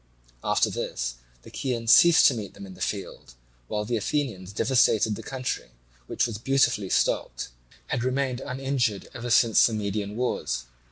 After this the Chians ceased to meet them in the field, while the Athenians devastated the country, which was beautifully stocked and had remained uninjured ever since the Median wars.